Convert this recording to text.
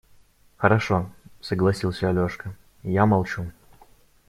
– Хорошо, – согласился Алешка, – я молчу.